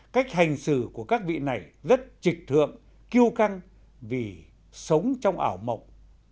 cách hành xử của các vị này rất trịch thượng kiêu căng vì sống trong ảo mộng